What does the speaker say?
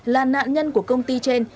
là nạn nhân của công ty trên